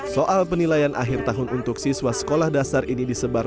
soal penilaian akhir tahun untuk siswa sekolah dasar ini disebar